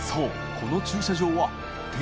この駐車場は薫罎